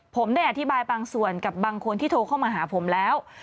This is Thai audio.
ผมได้อธิบายบางส่วนกับบางคนที่โทรเข้ามาหาผมแล้ว